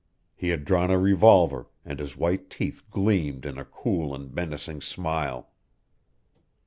He had drawn a revolver, and his white teeth gleamed in a cool and menacing smile.